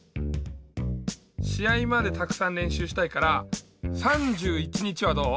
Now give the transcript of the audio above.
しあいまでたくさんれんしゅうしたいから３１日はどう？